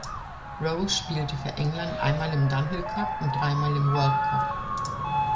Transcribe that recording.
Roe spielte für England einmal im "Dunhill Cup" und dreimal im World Cup.